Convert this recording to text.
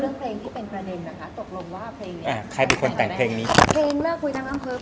แล้วเรื่องเพลงที่เป็นประเด็นนะคะตกลงว่าเพลงนี้